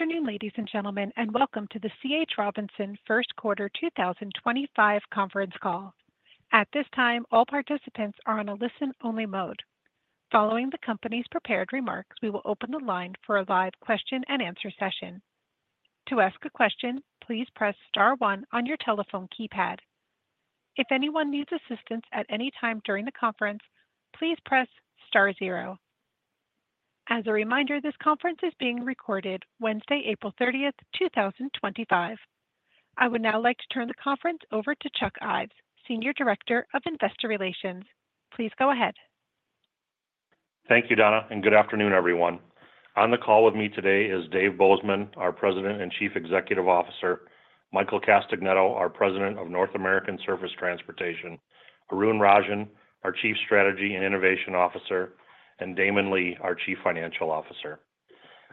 Good afternoon, ladies and gentlemen, and welcome to the C.H. Robinson First Quarter 2025 conference call. At this time, all participants are on a listen-only mode. Following the company's prepared remarks, we will open the line for a live question-and-answer session. To ask a question, please press star one on your telephone keypad. If anyone needs assistance at any time during the conference, please press star zero. As a reminder, this conference is being recorded Wednesday, April 30th, 2025. I would now like to turn the conference over to Chuck Ives, Senior Director of Investor Relations. Please go ahead. Thank you, Donna, and good afternoon, everyone. On the call with me today is Dave Bozeman, our President and Chief Executive Officer, Michael Castagnetto, our President of North American Surface Transportation, Arun Rajan, our Chief Strategy and Innovation Officer, and Damon Lee, our Chief Financial Officer.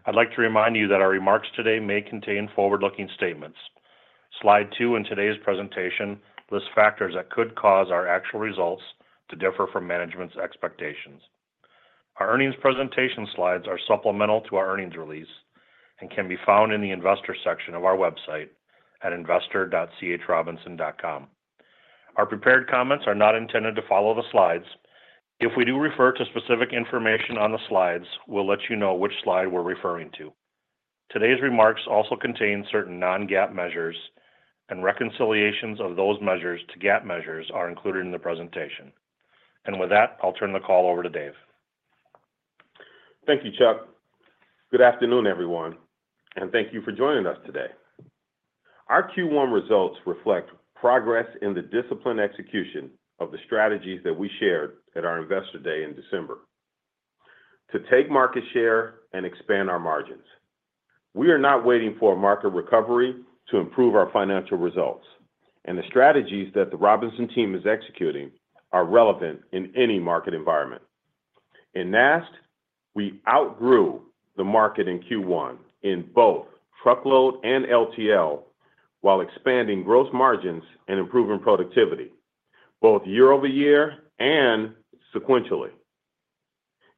I'd like to remind you that our remarks today may contain forward-looking statements. Slide two in today's presentation lists factors that could cause our actual results to differ from management's expectations. Our earnings presentation slides are supplemental to our earnings release and can be found in the investor section of our website at investor.ch.robinson.com. Our prepared comments are not intended to follow the slides. If we do refer to specific information on the slides, we'll let you know which slide we're referring to. Today's remarks also contain certain non-GAAP measures, and reconciliations of those measures to GAAP measures are included in the presentation. With that, I'll turn the call over to Dave. Thank you, Chuck. Good afternoon, everyone, and thank you for joining us today. Our Q1 results reflect progress in the disciplined execution of the strategies that we shared at our investor day in December to take market share and expand our margins. We are not waiting for a market recovery to improve our financial results, and the strategies that the Robinson team is executing are relevant in any market environment. In NAST, we outgrew the market in Q1 in both truckload and LTL while expanding gross margins and improving productivity, both year-over-year and sequentially.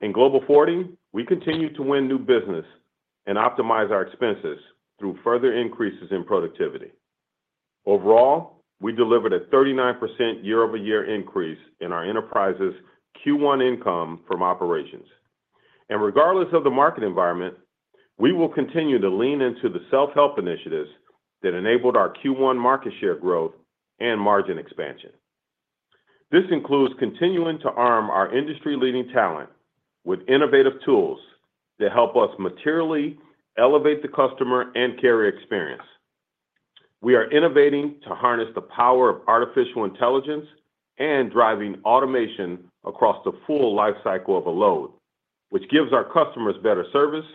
In Global Forwarding, we continue to win new business and optimize our expenses through further increases in productivity. Overall, we delivered a 39% year-over-year increase in our enterprise's Q1 income from operations. Regardless of the market environment, we will continue to lean into the self-help initiatives that enabled our Q1 market share growth and margin expansion. This includes continuing to arm our industry-leading talent with innovative tools that help us materially elevate the customer and carrier experience. We are innovating to harness the power of artificial intelligence and driving automation across the full lifecycle of a load, which gives our customers better service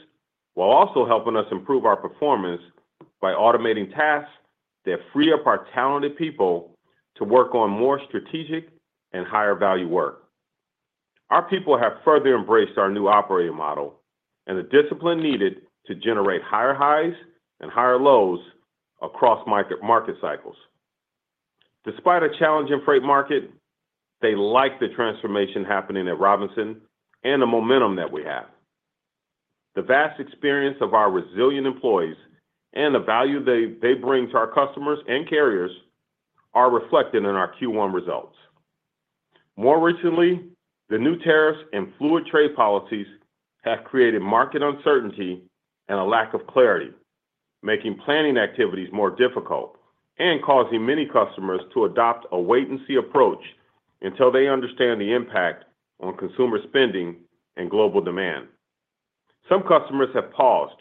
while also helping us improve our performance by automating tasks that free up our talented people to work on more strategic and higher-value work. Our people have further embraced our new operating model and the discipline needed to generate higher highs and higher lows across market cycles. Despite a challenging freight market, they like the transformation happening at Robinson and the momentum that we have. The vast experience of our resilient employees and the value they bring to our customers and carriers are reflected in our Q1 results. More recently, the new tariffs and fluid trade policies have created market uncertainty and a lack of clarity, making planning activities more difficult and causing many customers to adopt a wait-and-see approach until they understand the impact on consumer spending and global demand. Some customers have paused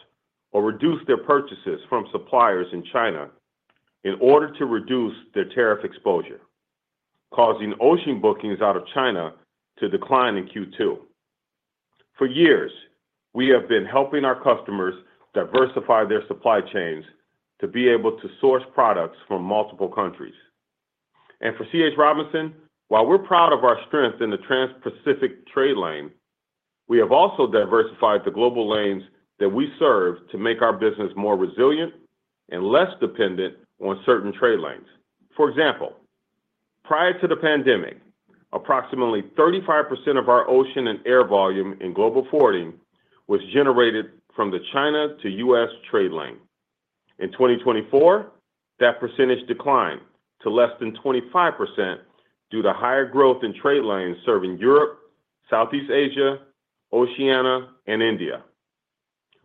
or reduced their purchases from suppliers in China in order to reduce their tariff exposure, causing ocean bookings out of China to decline in Q2. For years, we have been helping our customers diversify their supply chains to be able to source products from multiple countries. For C.H. Robinson, Robinson, while we're proud of our strength in the Trans-Pacific trade lane, we have also diversified the global lanes that we serve to make our business more resilient and less dependent on certain trade lanes. For example, prior to the pandemic, approximately 35% of our ocean and air volume in Global Forwarding was generated from the China to U.S. trade lane. In 2024, that percentage declined to less than 25% due to higher growth in trade lanes serving Europe, Southeast Asia, Oceania, and India.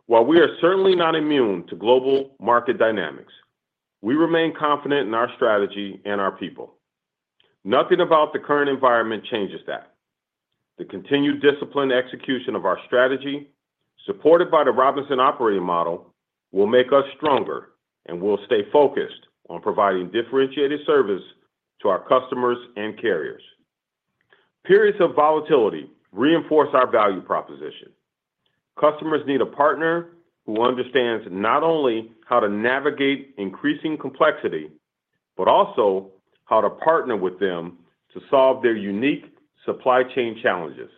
While we are certainly not immune to global market dynamics, we remain confident in our strategy and our people. Nothing about the current environment changes that. The continued disciplined execution of our strategy, supported by the Robinson operating model, will make us stronger and will stay focused on providing differentiated service to our customers and carriers. Periods of volatility reinforce our value proposition. Customers need a partner who understands not only how to navigate increasing complexity, but also how to partner with them to solve their unique supply chain challenges,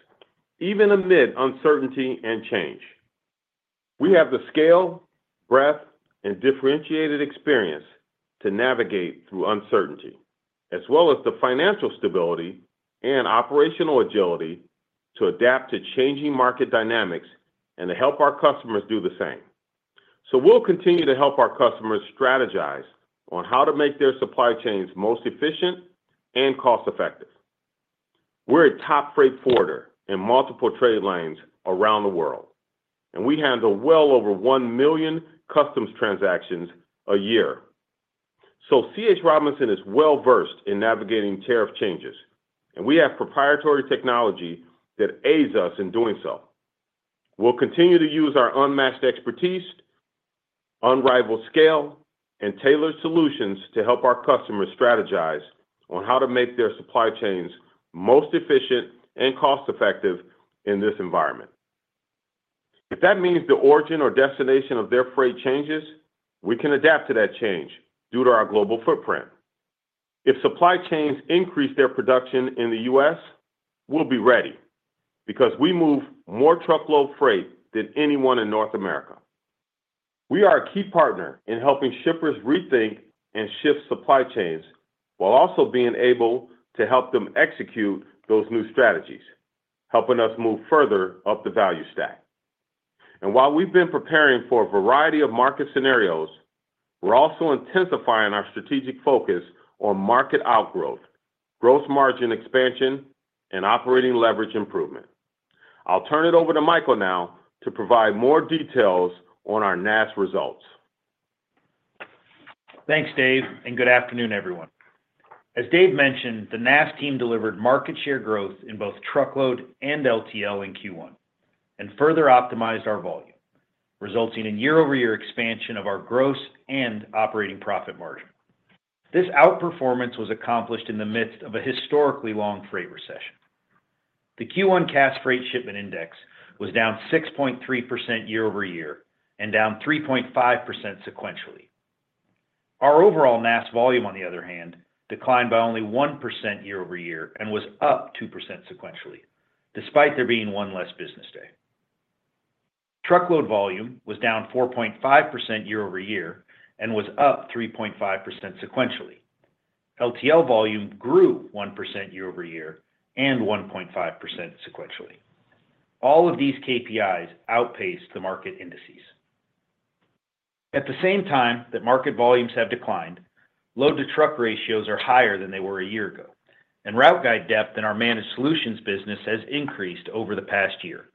even amid uncertainty and change. We have the scale, breadth, and differentiated experience to navigate through uncertainty, as well as the financial stability and operational agility to adapt to changing market dynamics and to help our customers do the same. We will continue to help our customers strategize on how to make their supply chains most efficient and cost-effective. We are a top freight forwarder in multiple trade lanes around the world, and we handle well over 1 million customs transactions a year. C.H. Robinson is well-versed in navigating tariff changes, and we have proprietary technology that aids us in doing so. We'll continue to use our unmatched expertise, unrivaled scale, and tailored solutions to help our customers strategize on how to make their supply chains most efficient and cost-effective in this environment. If that means the origin or destination of their freight changes, we can adapt to that change due to our global footprint. If supply chains increase their production in the U.S., we'll be ready because we move more truckload freight than anyone in North America. We are a key partner in helping shippers rethink and shift supply chains while also being able to help them execute those new strategies, helping us move further up the value stack. While we've been preparing for a variety of market scenarios, we're also intensifying our strategic focus on market outgrowth, gross margin expansion, and operating leverage improvement. I'll turn it over to Michael now to provide more details on our NAST results. Thanks, Dave, and good afternoon, everyone. As Dave mentioned, the NAST team delivered market share growth in both truckload and LTL in Q1 and further optimized our volume, resulting in year-over-year expansion of our gross and operating profit margin. This outperformance was accomplished in the midst of a historically long freight recession. The Q1 Cass Freight Shipment Index was down 6.3% year-over-year and down 3.5% sequentially. Our overall NAST volume, on the other hand, declined by only 1% year-over-year and was up 2% sequentially, despite there being one less business day. Truckload volume was down 4.5% year-over-year and was up 3.5% sequentially. LTL volume grew 1% year-over-year and 1.5% sequentially. All of these KPIs outpaced the market indices. At the same time that market volumes have declined, load-to-truck ratios are higher than they were a year ago, and route guide depth in our managed solutions business has increased over the past year,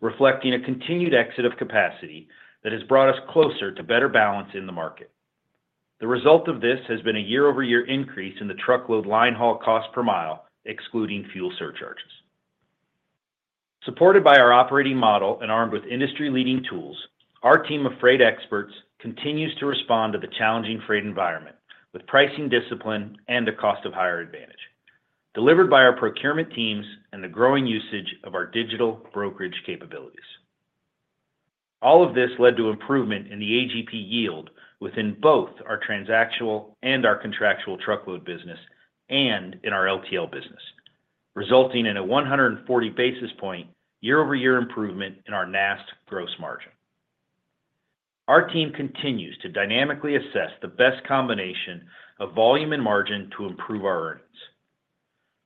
reflecting a continued exit of capacity that has brought us closer to better balance in the market. The result of this has been a year-over-year increase in the truckload line haul cost per mile, excluding fuel surcharges. Supported by our operating model and armed with industry-leading tools, our team of freight experts continues to respond to the challenging freight environment with pricing discipline and a cost-of-hire advantage, delivered by our procurement teams and the growing usage of our digital brokerage capabilities. All of this led to improvement in the AGP yield within both our transactional and our contractual truckload business and in our LTL business, resulting in a 140 basis point year-over-year improvement in our NAST gross margin. Our team continues to dynamically assess the best combination of volume and margin to improve our earnings.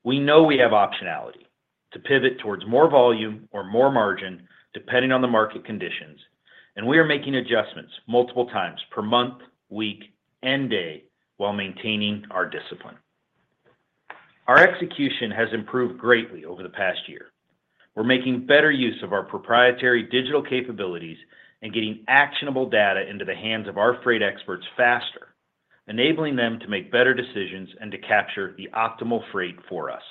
We know we have optionality to pivot towards more volume or more margin depending on the market conditions, and we are making adjustments multiple times per month, week, and day while maintaining our discipline. Our execution has improved greatly over the past year. We're making better use of our proprietary digital capabilities and getting actionable data into the hands of our freight experts faster, enabling them to make better decisions and to capture the optimal freight for us.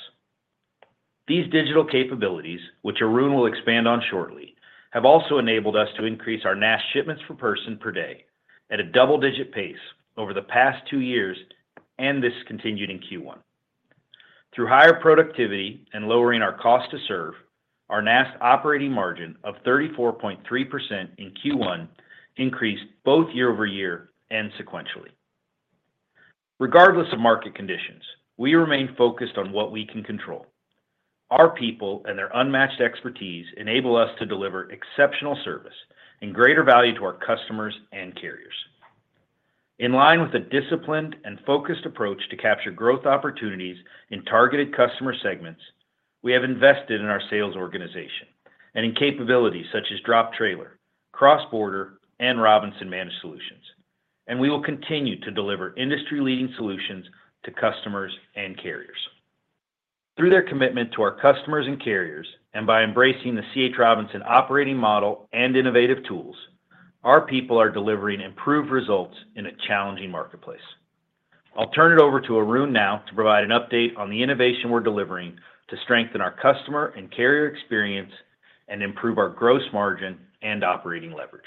These digital capabilities, which Arun will expand on shortly, have also enabled us to increase our NAST shipments per person per day at a double-digit pace over the past two years, and this continued in Q1. Through higher productivity and lowering our cost to serve, our NAST operating margin of 34.3% in Q1 increased both year-over-year and sequentially. Regardless of market conditions, we remain focused on what we can control. Our people and their unmatched expertise enable us to deliver exceptional service and greater value to our customers and carriers. In line with a disciplined and focused approach to capture growth opportunities in targeted customer segments, we have invested in our sales organization and in capabilities such as Drop Trailer, Cross-border, and Robinson Managed Solutions, and we will continue to deliver industry-leading solutions to customers and carriers. Through their commitment to our customers and carriers and by embracing the C.H. Robinson operating model and innovative tools, our people are delivering improved results in a challenging marketplace. I'll turn it over to Arun now to provide an update on the innovation we're delivering to strengthen our customer and carrier experience and improve our gross margin and operating leverage.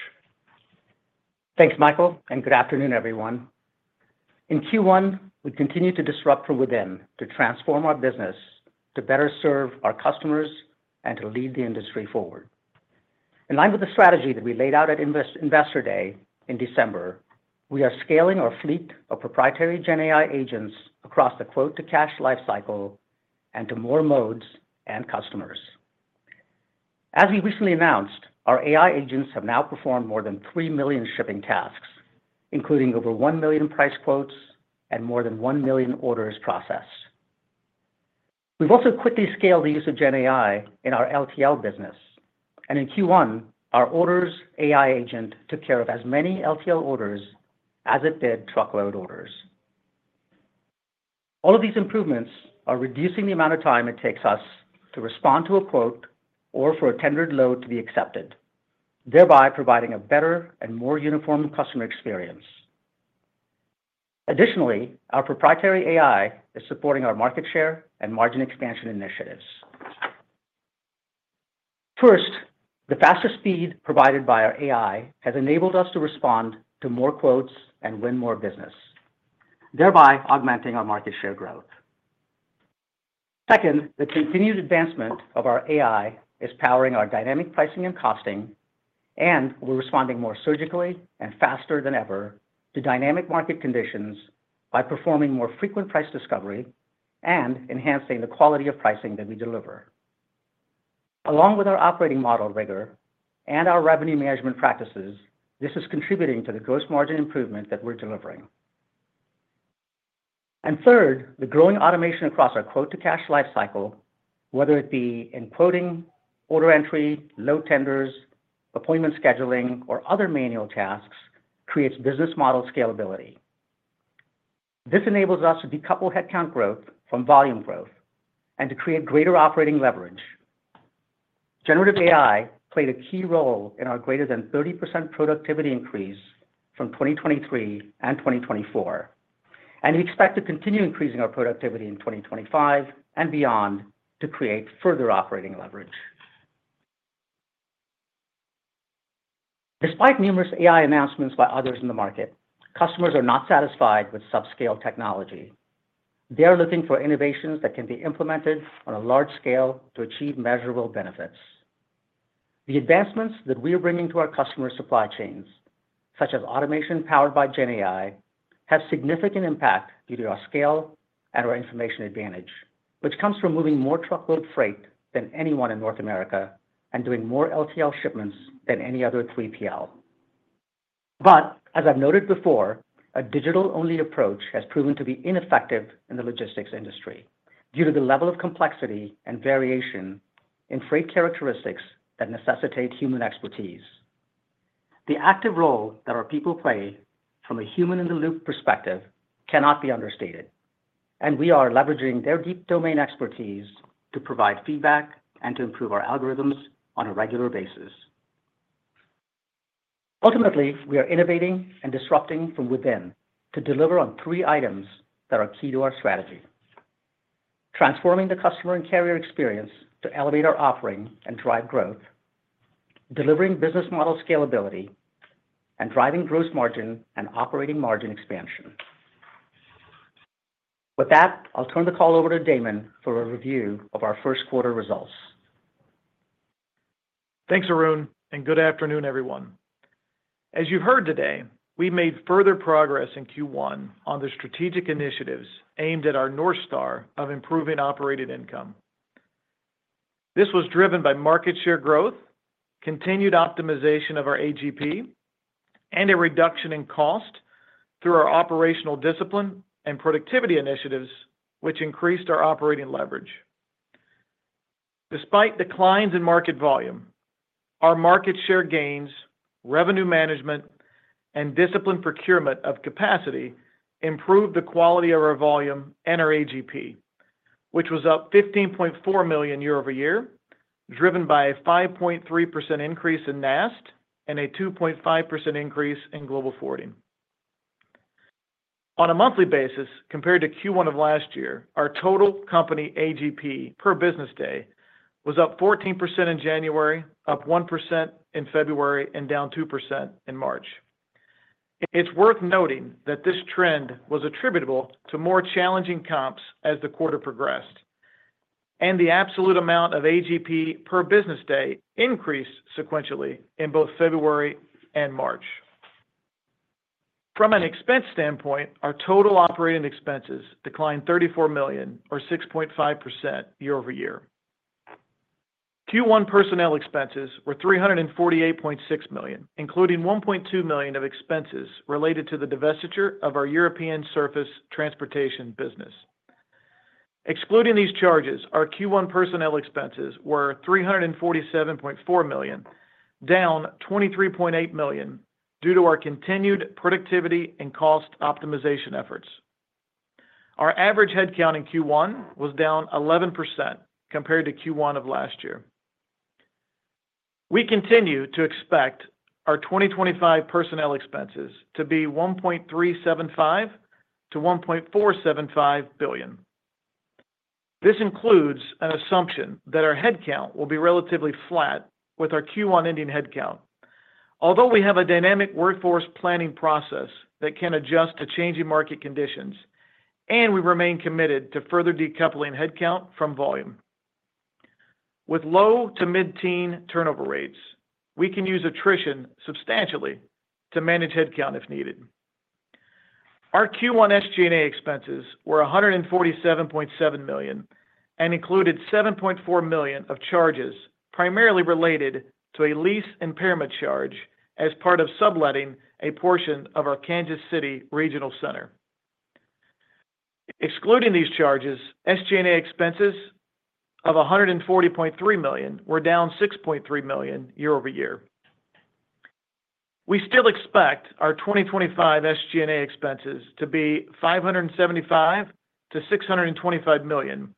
Thanks, Michael, and good afternoon, everyone. In Q1, we continue to disrupt from within to transform our business to better serve our customers and to lead the industry forward. In line with the strategy that we laid out at Investor Day in December, we are scaling our fleet of proprietary GenAI agents across the quote-to-cash lifecycle and to more modes and customers. As we recently announced, our AI agents have now performed more than 3 million shipping tasks, including over 1 million price quotes and more than 1 million orders processed. We've also quickly scaled the use of GenAI in our LTL business, and in Q1, our orders AI agent took care of as many LTL orders as it did truckload orders. All of these improvements are reducing the amount of time it takes us to respond to a quote or for a tendered load to be accepted, thereby providing a better and more uniform customer experience. Additionally, our proprietary AI is supporting our market share and margin expansion initiatives. First, the fastest speed provided by our AI has enabled us to respond to more quotes and win more business, thereby augmenting our market share growth. Second, the continued advancement of our AI is powering our dynamic pricing and costing, and we're responding more surgically and faster than ever to dynamic market conditions by performing more frequent price discovery and enhancing the quality of pricing that we deliver. Along with our operating model rigor and our revenue management practices, this is contributing to the gross margin improvement that we're delivering. Third, the growing automation across our quote-to-cash lifecycle, whether it be in quoting, order entry, load tenders, appointment scheduling, or other manual tasks, creates business model scalability. This enables us to decouple headcount growth from volume growth and to create greater operating leverage. Generative AI played a key role in our greater than 30% productivity increase from 2023 and 2024, and we expect to continue increasing our productivity in 2025 and beyond to create further operating leverage. Despite numerous AI announcements by others in the market, customers are not satisfied with subscale technology. They are looking for innovations that can be implemented on a large scale to achieve measurable benefits. The advancements that we are bringing to our customer supply chains, such as automation powered by GenAI, have significant impact due to our scale and our information advantage, which comes from moving more truckload freight than anyone in North America and doing more LTL shipments than any other 3PL. As I have noted before, a digital-only approach has proven to be ineffective in the logistics industry due to the level of complexity and variation in freight characteristics that necessitate human expertise. The active role that our people play from a human-in-the-loop perspective cannot be understated, and we are leveraging their deep domain expertise to provide feedback and to improve our algorithms on a regular basis. Ultimately, we are innovating and disrupting from within to deliver on three items that are key to our strategy: transforming the customer and carrier experience to elevate our offering and drive growth, delivering business model scalability, and driving gross margin and operating margin expansion. With that, I'll turn the call over to Damon for a review of our first quarter results. Thanks, Arun, and good afternoon, everyone. As you've heard today, we've made further progress in Q1 on the strategic initiatives aimed at our North Star of improving operating income. This was driven by market share growth, continued optimization of our AGP, and a reduction in cost through our operational discipline and productivity initiatives, which increased our operating leverage. Despite declines in market volume, our market share gains, revenue management, and disciplined procurement of capacity improved the quality of our volume and our AGP, which was up $15.4 million year-over-year, driven by a 5.3% increase in NAST and a 2.5% increase in Global Forwarding. On a monthly basis, compared to Q1 of last year, our total company AGP per business day was up 14% in January, up 1% in February, and down 2% in March. It's worth noting that this trend was attributable to more challenging comps as the quarter progressed, and the absolute amount of AGP per business day increased sequentially in both February and March. From an expense standpoint, our total operating expenses declined $34 million, or 6.5% year-over-year. Q1 personnel expenses were $348.6 million, including $1.2 million of expenses related to the divestiture of our European surface transportation business. Excluding these charges, our Q1 personnel expenses were $347.4 million, down $23.8 million due to our continued productivity and cost optimization efforts. Our average headcount in Q1 was down 11% compared to Q1 of last year. We continue to expect our 2025 personnel expenses to be $1.375 billion-$1.475 billion. This includes an assumption that our headcount will be relatively flat with our Q1 ending headcount, although we have a dynamic workforce planning process that can adjust to changing market conditions, and we remain committed to further decoupling headcount from volume. With low to mid-teen turnover rates, we can use attrition substantially to manage headcount if needed. Our Q1 SG&A expenses were $147.7 million and included $7.4 million of charges primarily related to a lease impairment charge as part of subletting a portion of our Kansas City regional center. Excluding these charges, SG&A expenses of $140.3 million were down $6.3 million year-over-year. We still expect our 2025 SG&A expenses to be $575 million-$625 million,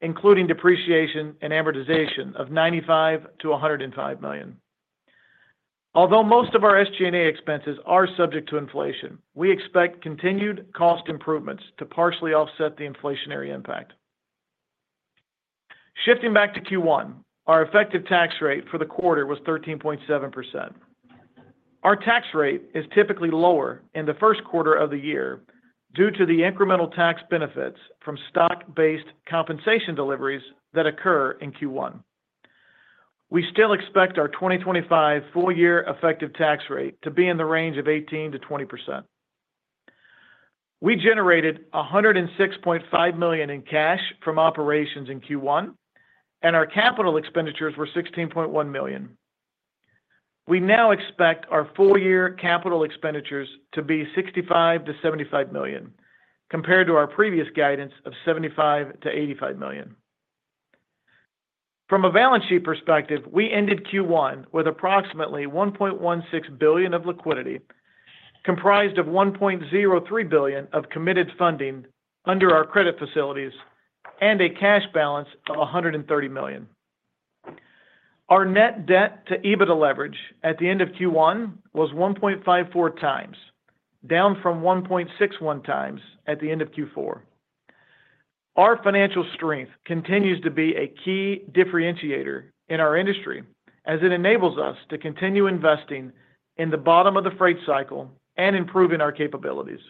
including depreciation and amortization of $95 million-$105 million. Although most of our SG&A expenses are subject to inflation, we expect continued cost improvements to partially offset the inflationary impact. Shifting back to Q1, our effective tax rate for the quarter was 13.7%. Our tax rate is typically lower in the first quarter of the year due to the incremental tax benefits from stock-based compensation deliveries that occur in Q1. We still expect our 2025 full-year effective tax rate to be in the range of 18%-20%. We generated $106.5 million in cash from operations in Q1, and our capital expenditures were $16.1 million. We now expect our full-year capital expenditures to be $65 million-$75 million compared to our previous guidance of $75 million-$85 million. From a balance sheet perspective, we ended Q1 with approximately $1.16 billion of liquidity, comprised of $1.03 billion of committed funding under our credit facilities and a cash balance of $130 million. Our net debt to EBITDA leverage at the end of Q1 was 1.54 times, down from 1.61 times at the end of Q4. Our financial strength continues to be a key differentiator in our industry as it enables us to continue investing in the bottom of the freight cycle and improving our capabilities.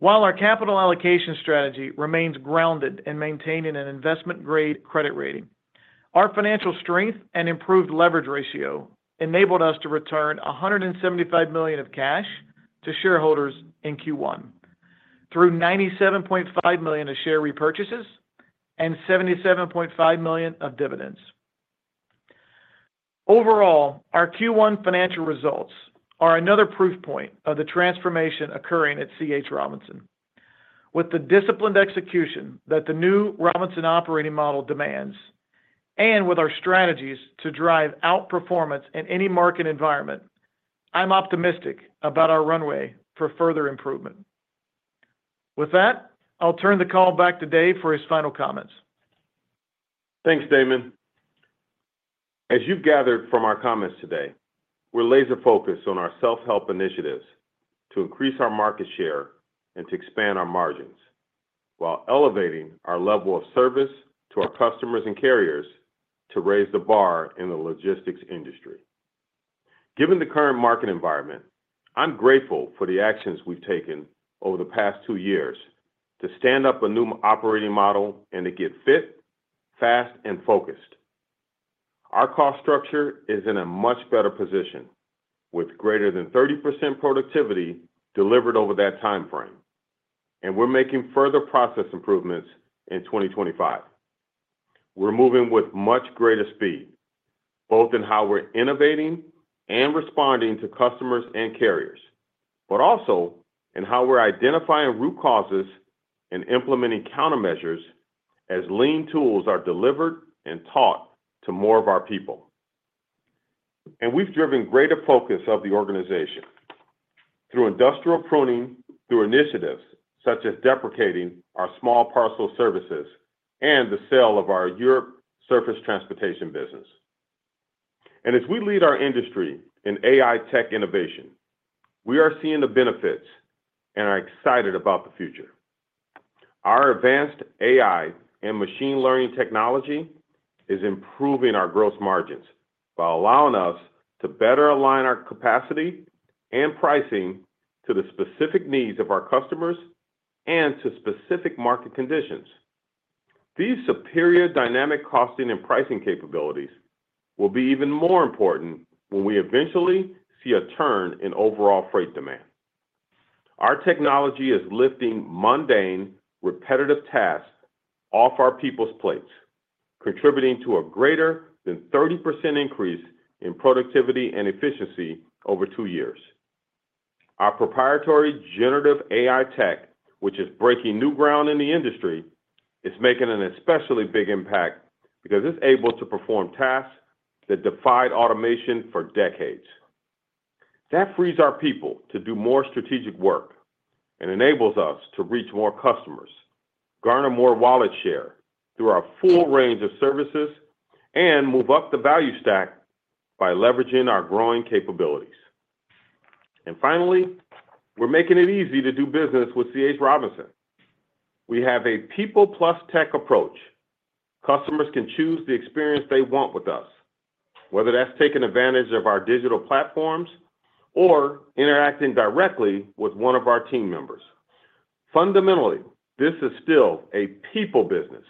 While our capital allocation strategy remains grounded in maintaining an investment-grade credit rating, our financial strength and improved leverage ratio enabled us to return $175 million of cash to shareholders in Q1 through $97.5 million of share repurchases and $77.5 million of dividends. Overall, our Q1 financial results are another proof point of the transformation occurring at C.H. Robinson. With the disciplined execution that the new Robinson operating model demands and with our strategies to drive outperformance in any market environment, I'm optimistic about our runway for further improvement. With that, I'll turn the call back to Dave for his final comments. Thanks, Damon. As you've gathered from our comments today, we're laser-focused on our self-help initiatives to increase our market share and to expand our margins while elevating our level of service to our customers and carriers to raise the bar in the logistics industry. Given the current market environment, I'm grateful for the actions we've taken over the past two years to stand up a new operating model and to get fit, fast, and focused. Our cost structure is in a much better position with greater than 30% productivity delivered over that timeframe, and we're making further process improvements in 2025. We're moving with much greater speed, both in how we're innovating and responding to customers and carriers, but also in how we're identifying root causes and implementing countermeasures as lean tools are delivered and taught to more of our people. We have driven greater focus of the organization through industrial pruning, through initiatives such as deprecating our small parcel services and the sale of our Europe surface transportation business. As we lead our industry in AI tech innovation, we are seeing the benefits and are excited about the future. Our advanced AI and machine learning technology is improving our gross margins while allowing us to better align our capacity and pricing to the specific needs of our customers and to specific market conditions. These superior dynamic costing and pricing capabilities will be even more important when we eventually see a turn in overall freight demand. Our technology is lifting mundane, repetitive tasks off our people's plates, contributing to a greater than 30% increase in productivity and efficiency over two years. Our proprietary generative AI tech, which is breaking new ground in the industry, is making an especially big impact because it's able to perform tasks that defied automation for decades. That frees our people to do more strategic work and enables us to reach more customers, garner more wallet share through our full range of services, and move up the value stack by leveraging our growing capabilities. Finally, we're making it easy to do business with C.H. Robinson. We have a people-plus-tech approach. Customers can choose the experience they want with us, whether that's taking advantage of our digital platforms or interacting directly with one of our team members. Fundamentally, this is still a people business,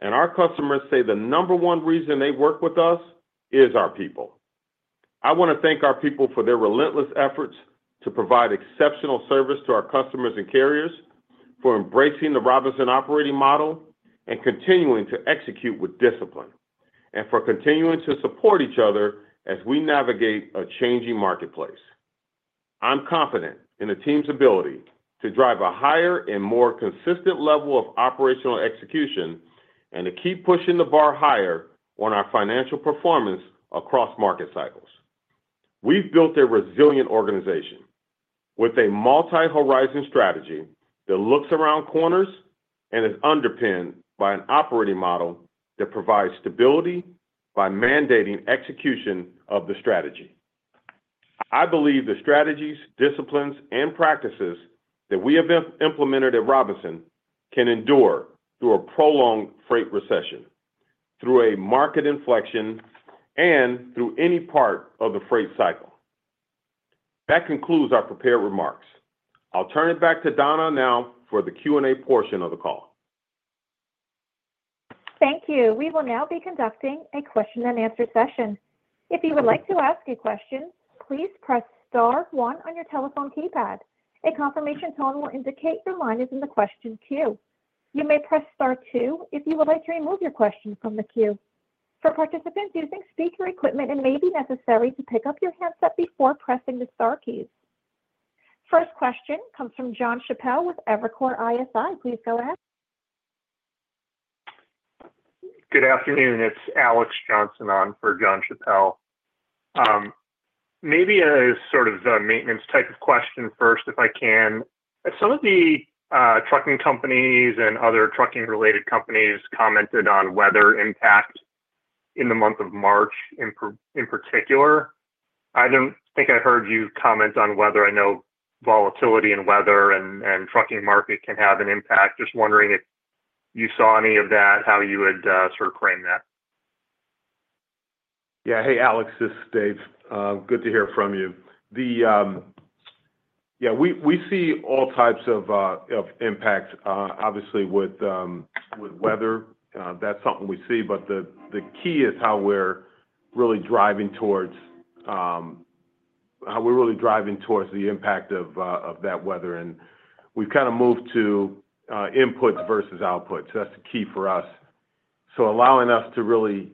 and our customers say the number one reason they work with us is our people. I want to thank our people for their relentless efforts to provide exceptional service to our customers and carriers, for embracing the Robinson operating model and continuing to execute with discipline, and for continuing to support each other as we navigate a changing marketplace. I'm confident in the team's ability to drive a higher and more consistent level of operational execution and to keep pushing the bar higher on our financial performance across market cycles. We've built a resilient organization with a multi-horizon strategy that looks around corners and is underpinned by an operating model that provides stability by mandating execution of the strategy. I believe the strategies, disciplines, and practices that we have implemented at Robinson can endure through a prolonged freight recession, through a market inflection, and through any part of the freight cycle. That concludes our prepared remarks. I'll turn it back to Donna now for the Q&A portion of the call. Thank you. We will now be conducting a question-and-answer session. If you would like to ask a question, please press star one on your telephone keypad. A confirmation tone will indicate your line is in the question queue. You may press star two if you would like to remove your question from the queue. For participants using speaker equipment, it may be necessary to pick up your handset before pressing the Star keys. First question comes from John Chappell with Evercore ISI. Please go ahead. Good afternoon. It's Alex Johnson on for John Chappell. Maybe a sort of maintenance type of question first, if I can. Some of the trucking companies and other trucking-related companies commented on weather impact in the month of March in particular. I don't think I heard you comment on weather. I know volatility in weather and trucking market can have an impact. Just wondering if you saw any of that, how you would sort of frame that? Yeah. Hey, Alex. This is Dave. Good to hear from you. Yeah, we see all types of impact, obviously, with weather. That's something we see, but the key is how we're really driving towards how we're really driving towards the impact of that weather. We've kind of moved to inputs versus outputs. That's the key for us. Allowing us to really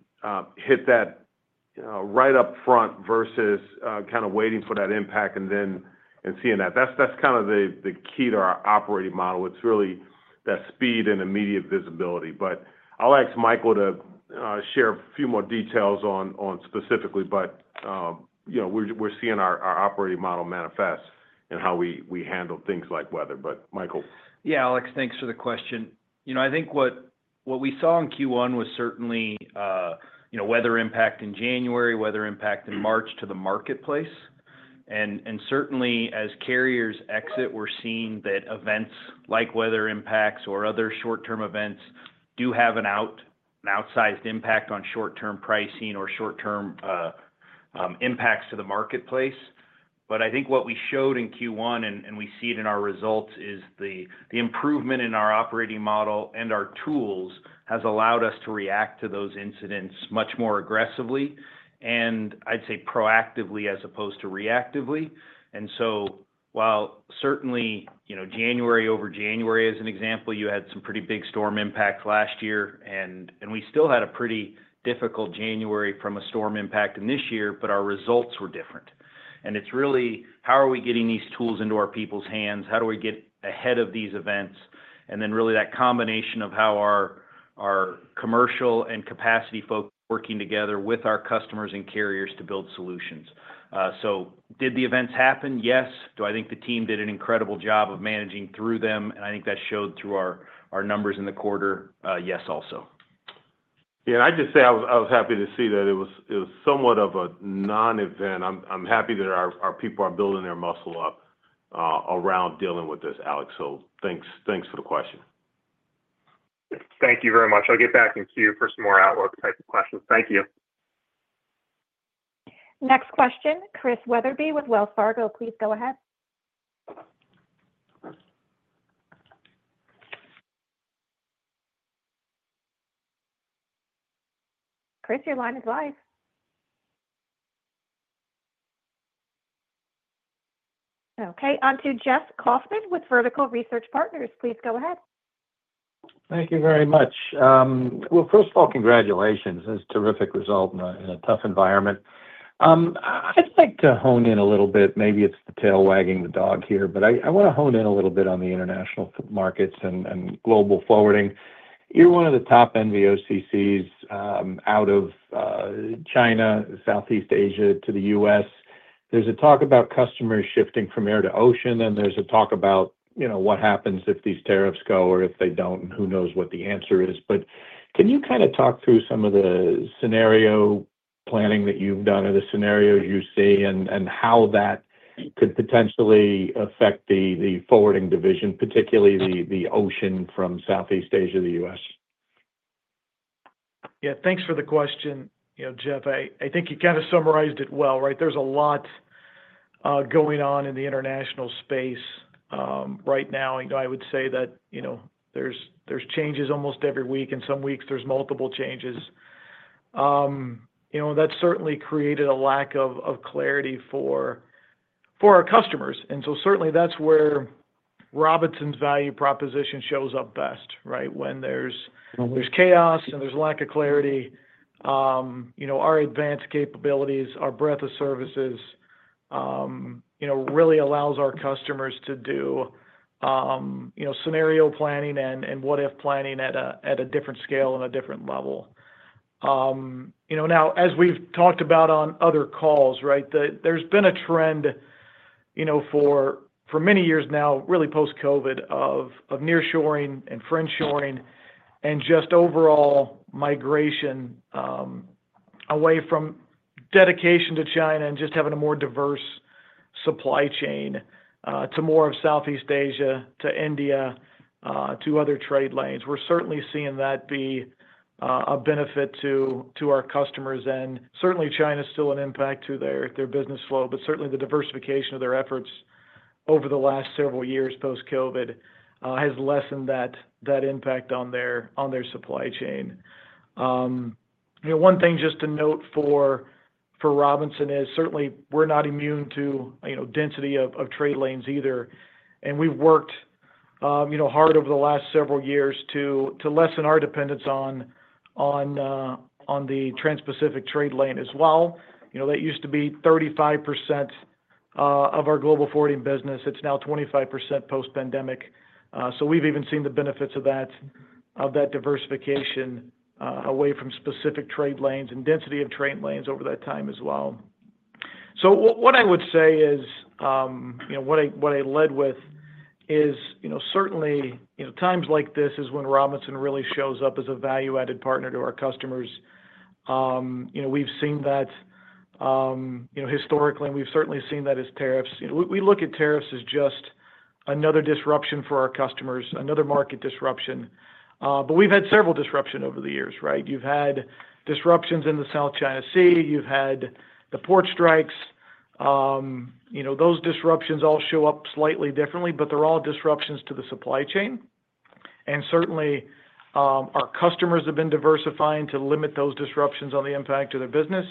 hit that right up front versus kind of waiting for that impact and then seeing that, that's kind of the key to our operating model. It's really that speed and immediate visibility. I'll ask Michael to share a few more details on specifically, but we're seeing our operating model manifest in how we handle things like weather. Michael. Yeah, Alex, thanks for the question. I think what we saw in Q1 was certainly weather impact in January, weather impact in March to the marketplace. Certainly, as carriers exit, we're seeing that events like weather impacts or other short-term events do have an outsized impact on short-term pricing or short-term impacts to the marketplace. I think what we showed in Q1, and we see it in our results, is the improvement in our operating model and our tools has allowed us to react to those incidents much more aggressively, and I'd say proactively as opposed to reactively. While certainly January over January, as an example, you had some pretty big storm impacts last year, and we still had a pretty difficult January from a storm impact in this year, our results were different. It is really how are we getting these tools into our people's hands? How do we get ahead of these events? That combination of how our commercial and capacity folk are working together with our customers and carriers to build solutions. Did the events happen? Yes. Do I think the team did an incredible job of managing through them? I think that showed through our numbers in the quarter. Yes, also. Yeah. I'd just say I was happy to see that it was somewhat of a non-event. I'm happy that our people are building their muscle up around dealing with this, Alex. So thanks for the question. Thank you very much. I'll get back in queue for some more outlook-type questions. Thank you. Next question, Chris Wetherbee with Wells Fargo. Please go ahead. Chris, your line is live. Okay. On to Jeff Kauffman with Vertical Research Partners. Please go ahead. Thank you very much. First of all, congratulations. It's a terrific result in a tough environment. I'd like to hone in a little bit. Maybe it's the tail wagging the dog here, but I want to hone in a little bit on the international markets and Global Forwarding. You're one of the top NVOCCs out of China, Southeast Asia to the U.S. There's talk about customers shifting from air to ocean, and there's talk about what happens if these tariffs go or if they don't, and who knows what the answer is. Can you kind of talk through some of the scenario planning that you've done or the scenarios you see and how that could potentially affect the forwarding division, particularly the ocean from Southeast Asia to the U.S.? Yeah. Thanks for the question, Jeff. I think you kind of summarized it well, right? There's a lot going on in the international space right now. I would say that there's changes almost every week, and some weeks there's multiple changes. That certainly created a lack of clarity for our customers. Certainly that's where Robinson's value proposition shows up best, right? When there's chaos and there's a lack of clarity, our advanced capabilities, our breadth of services really allows our customers to do scenario planning and what-if planning at a different scale and a different level. Now, as we've talked about on other calls, right, there's been a trend for many years now, really post-COVID, of nearshoring and friendshoring and just overall migration away from dedication to China and just having a more diverse supply chain to more of Southeast Asia to India to other trade lanes. We're certainly seeing that be a benefit to our customers. Certainly, China is still an impact to their business flow, but certainly the diversification of their efforts over the last several years post-COVID has lessened that impact on their supply chain. One thing just to note for Robinson is certainly we're not immune to density of trade lanes either. We've worked hard over the last several years to lessen our dependence on the Trans-Pacific trade lane as well. That used to be 35% of our Global Forwarding business. It's now 25% post-pandemic. We've even seen the benefits of that diversification away from specific trade lanes and density of trade lanes over that time as well. What I would say is what I led with is certainly times like this is when Robinson really shows up as a value-added partner to our customers. We've seen that historically, and we've certainly seen that as tariffs. We look at tariffs as just another disruption for our customers, another market disruption. We've had several disruptions over the years, right? You've had disruptions in the South China Sea. You've had the port strikes. Those disruptions all show up slightly differently, but they're all disruptions to the supply chain. Certainly, our customers have been diversifying to limit those disruptions on the impact to their business.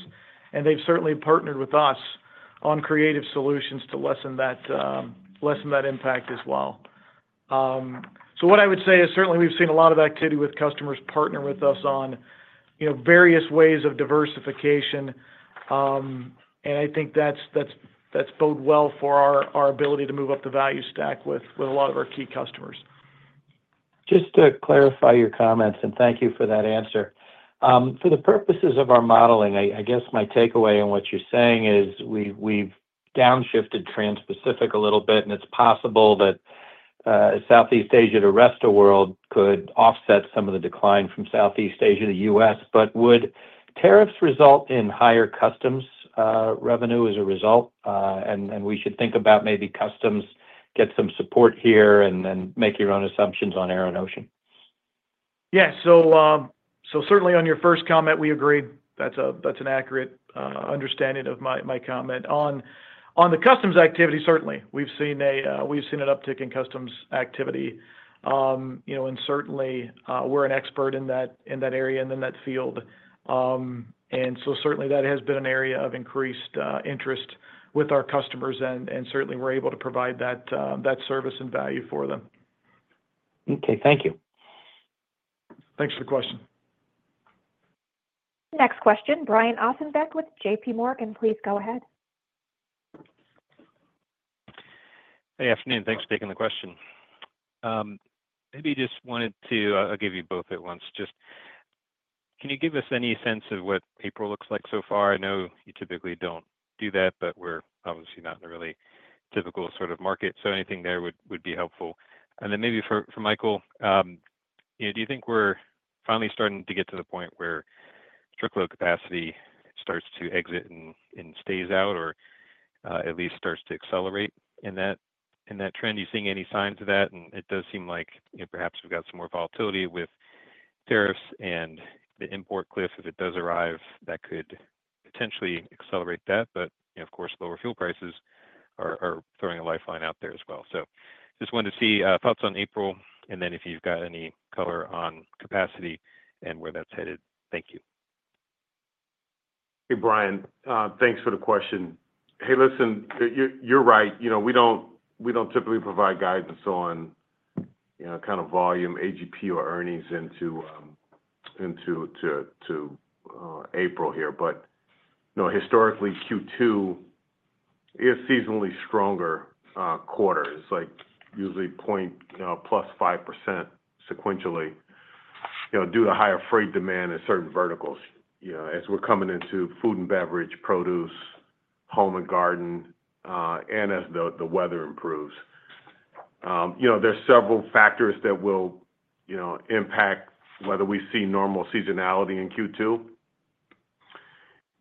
They've certainly partnered with us on creative solutions to lessen that impact as well. What I would say is certainly we've seen a lot of activity with customers partner with us on various ways of diversification. I think that's bode well for our ability to move up the value stack with a lot of our key customers. Just to clarify your comments, and thank you for that answer. For the purposes of our modeling, I guess my takeaway in what you're saying is we've downshifted Trans-Pacific a little bit, and it's possible that Southeast Asia to the rest of the world could offset some of the decline from Southeast Asia to the U.S. Would tariffs result in higher customs revenue as a result? We should think about maybe customs getting some support here and then making your own assumptions on air and ocean. Yeah. Certainly on your first comment, we agree. That's an accurate understanding of my comment. On the customs activity, certainly we've seen an uptick in customs activity. Certainly, we're an expert in that area and in that field. Certainly that has been an area of increased interest with our customers. Certainly, we're able to provide that service and value for them. Okay. Thank you. Thanks for the question. Next question, Brian Ossenbeck with J.P. Morgan. Please go ahead. Hey, afternoon. Thanks for taking the question. Maybe just wanted to—I'll give you both at once. Just can you give us any sense of what April looks like so far? I know you typically don't do that, but we're obviously not in a really typical sort of market. Anything there would be helpful. Maybe for Michael, do you think we're finally starting to get to the point where structural capacity starts to exit and stays out or at least starts to accelerate in that trend? Do you see any signs of that? It does seem like perhaps we've got some more volatility with tariffs and the import cliff. If it does arrive, that could potentially accelerate that. Of course, lower fuel prices are throwing a lifeline out there as well. I just wanted to see thoughts on April, and then if you've got any color on capacity and where that's headed. Thank you. Hey, Brian. Thanks for the question. Hey, listen, you're right. We don't typically provide guidance on kind of volume, AGP, or earnings into April here. But historically, Q2 is seasonally stronger quarters, like usually 0.5% sequentially due to higher freight demand in certain verticals as we're coming into food and beverage, produce, home and garden, and as the weather improves. There are several factors that will impact whether we see normal seasonality in Q2,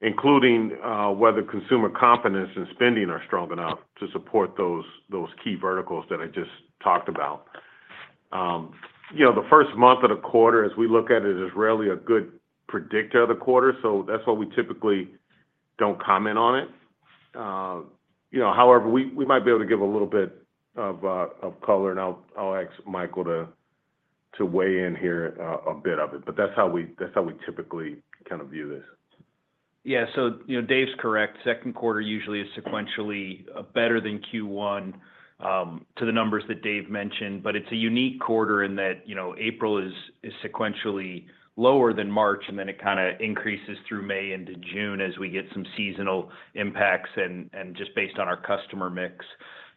including whether consumer confidence and spending are strong enough to support those key verticals that I just talked about. The first month of the quarter, as we look at it, is really a good predictor of the quarter. That is why we typically don't comment on it. However, we might be able to give a little bit of color. I'll ask Michael to weigh in here a bit of it. That's how we typically kind of view this. Yeah. Dave's correct. Second quarter usually is sequentially better than Q1 to the numbers that Dave mentioned. It is a unique quarter in that April is sequentially lower than March, and then it kind of increases through May into June as we get some seasonal impacts and just based on our customer mix.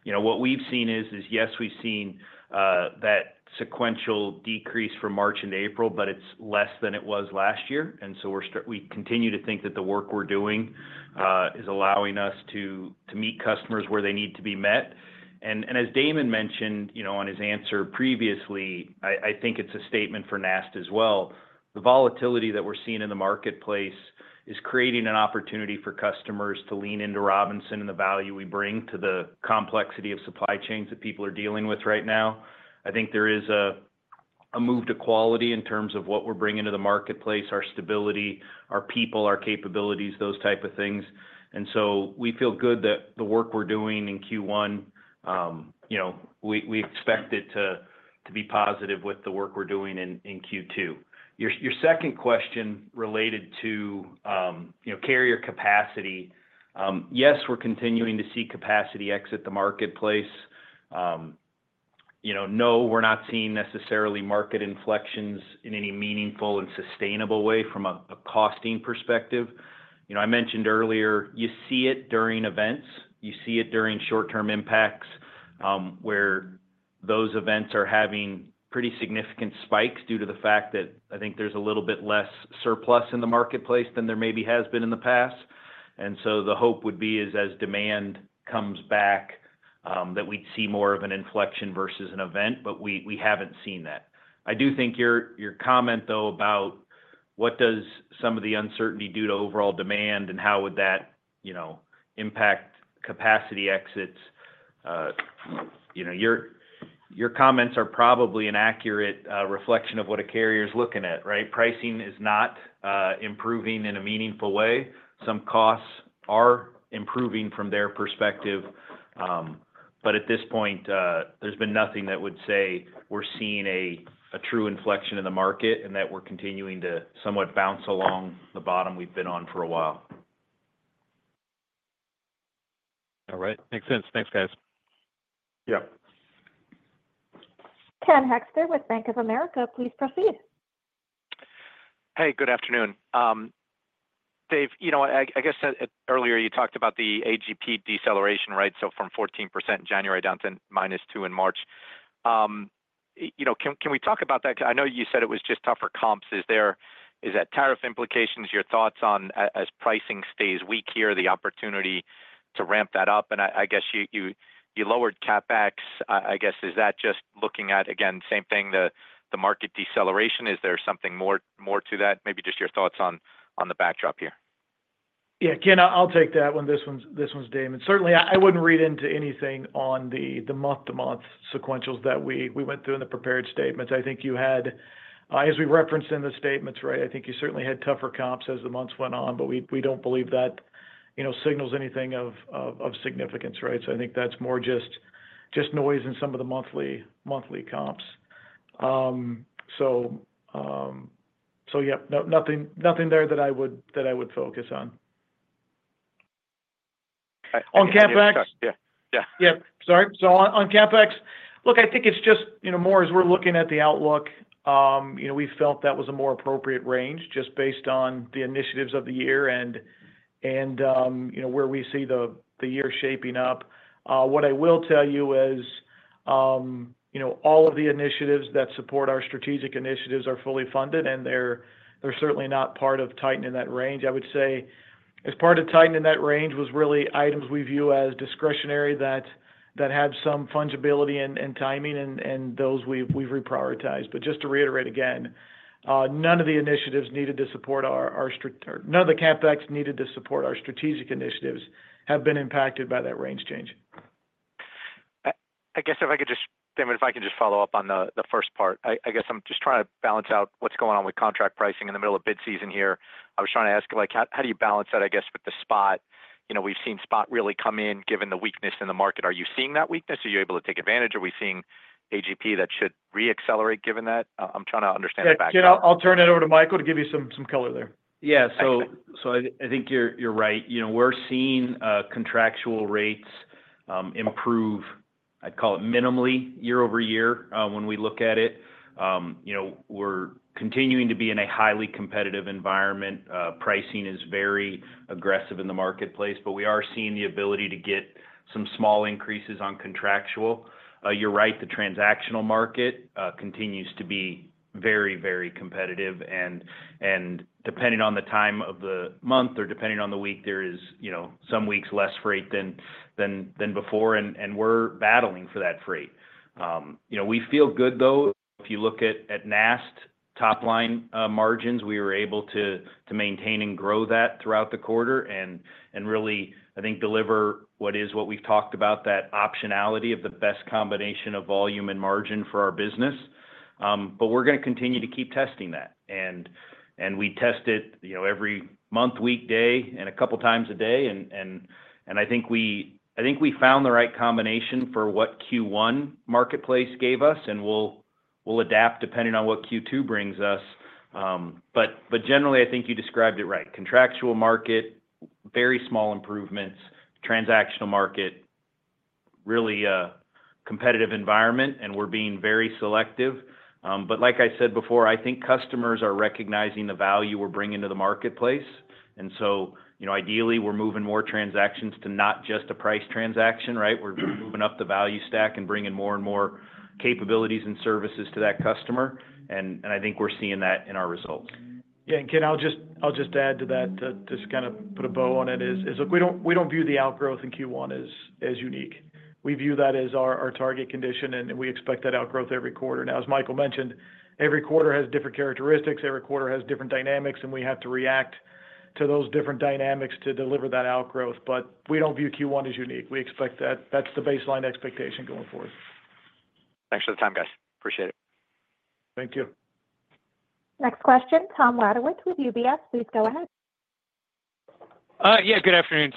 What we've seen is, yes, we've seen that sequential decrease from March into April, but it's less than it was last year. We continue to think that the work we're doing is allowing us to meet customers where they need to be met. As Damon mentioned on his answer previously, I think it's a statement for NAST as well. The volatility that we're seeing in the marketplace is creating an opportunity for customers to lean into Robinson and the value we bring to the complexity of supply chains that people are dealing with right now. I think there is a move to quality in terms of what we're bringing to the marketplace, our stability, our people, our capabilities, those type of things. We feel good that the work we're doing in Q1, we expect it to be positive with the work we're doing in Q2. Your second question related to carrier capacity, yes, we're continuing to see capacity exit the marketplace. No, we're not seeing necessarily market inflections in any meaningful and sustainable way from a costing perspective. I mentioned earlier, you see it during events. You see it during short-term impacts where those events are having pretty significant spikes due to the fact that I think there is a little bit less surplus in the marketplace than there maybe has been in the past. The hope would be as demand comes back that we would see more of an inflection versus an event, but we have not seen that. I do think your comment, though, about what does some of the uncertainty do to overall demand and how would that impact capacity exits, your comments are probably an accurate reflection of what a carrier is looking at, right? Pricing is not improving in a meaningful way. Some costs are improving from their perspective. At this point, there's been nothing that would say we're seeing a true inflection in the market and that we're continuing to somewhat bounce along the bottom we've been on for a while. All right. Makes sense. Thanks, guys. Yeah. Ken Hoexter with Bank of America. Please proceed. Hey, good afternoon. Dave, I guess earlier you talked about the AGP deceleration, right? From 14% in January down to -2% in March. Can we talk about that? I know you said it was just tougher comps. Is that tariff implications? Your thoughts on as pricing stays weak here, the opportunity to ramp that up? I guess you lowered CapEx. Is that just looking at, again, same thing, the market deceleration? Is there something more to that? Maybe just your thoughts on the backdrop here. Yeah. Ken, I'll take that one. This one's Damon. Certainly, I wouldn't read into anything on the month-to-month sequentials that we went through in the prepared statements. I think you had, as we referenced in the statements, right? I think you certainly had tougher comps as the months went on, but we don't believe that signals anything of significance, right? I think that's more just noise in some of the monthly comps. Yeah, nothing there that I would focus on. On CapEx. Yeah. Yeah. Yeah. Sorry. On CapEx, look, I think it's just more as we're looking at the outlook, we felt that was a more appropriate range just based on the initiatives of the year and where we see the year shaping up. What I will tell you is all of the initiatives that support our strategic initiatives are fully funded, and they're certainly not part of tightening that range. I would say as part of tightening that range was really items we view as discretionary that had some fungibility and timing, and those we've reprioritized. Just to reiterate again, none of the CapEx needed to support our strategic initiatives have been impacted by that range change. I guess if I could just—Damon, if I can just follow up on the first part. I guess I'm just trying to balance out what's going on with contract pricing in the middle of bid season here. I was trying to ask, how do you balance that, I guess, with the spot? We've seen spot really come in given the weakness in the market. Are you seeing that weakness? Are you able to take advantage? Are we seeing AGP that should re-accelerate given that? I'm trying to understand the backdrop. Yeah. I'll turn it over to Michael to give you some color there. Yeah. I think you're right. We're seeing contractual rates improve, I'd call it minimally, year-over-year when we look at it. We're continuing to be in a highly-competitive environment. Pricing is very aggressive in the marketplace, but we are seeing the ability to get some small increases on contractual. You're right. The transactional market continues to be very, very competitive. Depending on the time of the month or depending on the week, there are some weeks with less freight than before. We're battling for that freight. We feel good, though. If you look at NAST top-line margins, we were able to maintain and grow that throughout the quarter and really, I think, deliver what is what we've talked about, that optionality of the best combination of volume and margin for our business. We're going to continue to keep testing that. We test it every month, week, day, and a couple of times a day. I think we found the right combination for what Q1 marketplace gave us, and we'll adapt depending on what Q2 brings us. Generally, I think you described it right. Contractual market, very small improvements, transactional market, really competitive environment, and we're being very selective. Like I said before, I think customers are recognizing the value we're bringing to the marketplace. Ideally, we're moving more transactions to not just a price transaction, right? We're moving up the value stack and bringing more and more capabilities and services to that customer. I think we're seeing that in our results. Yeah. Ken, I'll just add to that, just kind of put a bow on it, is look, we don't view the outgrowth in Q1 as unique. We view that as our target condition, and we expect that outgrowth every quarter. Now, as Michael mentioned, every quarter has different characteristics. Every quarter has different dynamics, and we have to react to those different dynamics to deliver that outgrowth. We don't view Q1 as unique. We expect that that's the baseline expectation going forward. Thanks for the time, guys. Appreciate it. Thank you. Next question, Tom Wadewitz with UBS. Please go ahead. Yeah. Good afternoon.